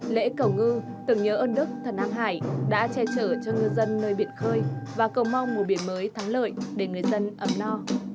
lễ cầu ngư tưởng nhớ ơn đức thần nam hải đã che chở cho ngư dân nơi biển khơi và cầu mong mùa biển mới thắng lợi để người dân ấm no